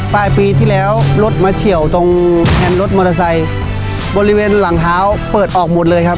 ปลายปีที่แล้วรถมาเฉียวตรงแผ่นรถมอเตอร์ไซค์บริเวณหลังเท้าเปิดออกหมดเลยครับ